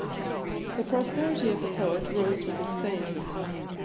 The prosperity of the poet rose with his fame.